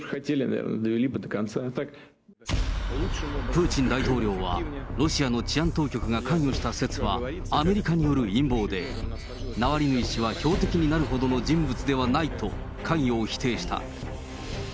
プーチン大統領は、ロシアの治安当局が関与した説は、アメリカによる陰謀で、ナワリヌイ氏は標的になるほどの人物ではないと、関与を否定した。